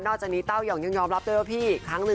นอกจากนี้เต้าหย่องยังยอมรับเต้าหย่องพี่อีกครั้งหนึ่ง